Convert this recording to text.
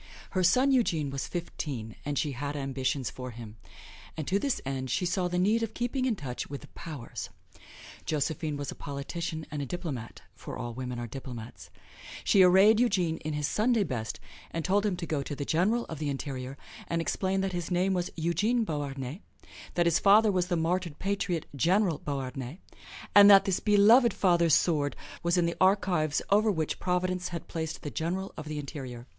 Her son Eugene was fifteen, and she had ambitions for him; and to this end she saw the need of keeping in touch with the Powers. Josephine was a politician and a diplomat, for all women are diplomats. She arrayed Eugene in his Sunday best and told him to go to the General of the Interior and explain that his name was Eugene Beauharnais, that his father was the martyred patriot, General Beauharnais, and that this beloved father's sword was in the archives over which Providence had placed the General of the Interior.